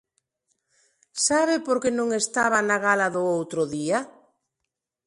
¿Sabe por que non estaba na gala do outro día?